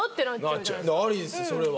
ありですそれは。